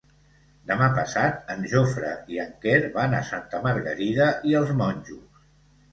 Demà passat en Jofre i en Quer van a Santa Margarida i els Monjos.